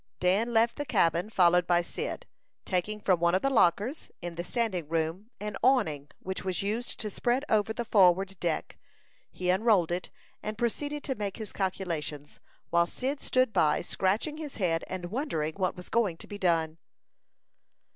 Dan left the cabin, followed by Cyd. Taking from one of the lockers, in the standing room, an awning which was used to spread over the forward deck, he unrolled it, and proceeded to make his calculations, while Cyd stood by, scratching his head and wondering what was going to be done.